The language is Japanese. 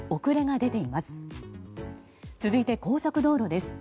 続いて、高速道路です。